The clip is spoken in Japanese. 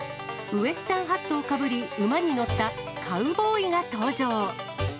ウエスタンハットをかぶり、馬に乗ったカウボーイが登場。